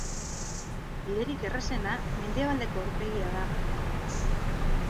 Biderik errazena, mendebaldeko aurpegia da.